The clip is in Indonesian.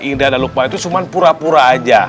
indra dan lukman itu cuma pura pura aja